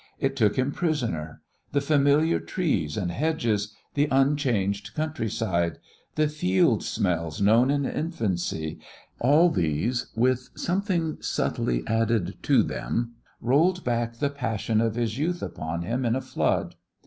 It took him prisoner. The familiar trees and hedges, the unchanged countryside, the "field smells known in infancy," all these, with something subtly added to them, rolled back the passion of his youth upon him in a flood.